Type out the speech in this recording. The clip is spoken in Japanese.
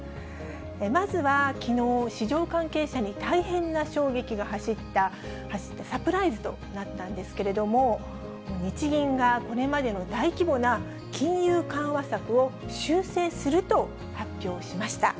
まずはきのう、市場関係者に大変な衝撃が走ったサプライズとなったんですけれども、日銀が、これまでの大規模な金融緩和策を修正すると発表しました。